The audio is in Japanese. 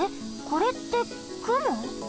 これってくも？